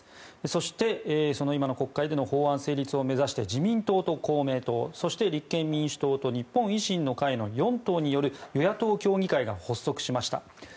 そして、今の国会での法案成立を目指して自民党と公明党そして立憲民主党と日本維新の会の４党による与野党協議会が発足しました。